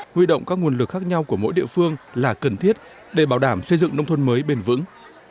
huy động các nguồn lực khác nhau của mỗi địa phương là cần thiết để bảo đảm xây dựng nông thôn mới bền vững